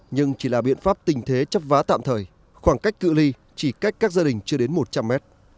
nhưng chỉ là biện pháp tình thế chấp vá tạm thời khoảng cách cự li chỉ cách các gia đình chưa đến một trăm linh mét